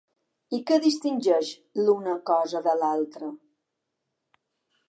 I què distingeix l’una cosa de l’altra?